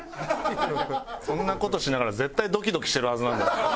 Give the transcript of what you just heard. そんな事しながら絶対ドキドキしてるはずなんだよ。